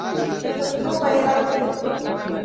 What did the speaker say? پښتو غیرت دی